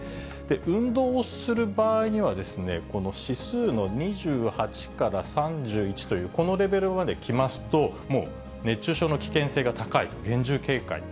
運動をする場合には、この指数の２８から３１という、このレベルまで来ますと、もう熱中症の危険性が高い、厳重警戒。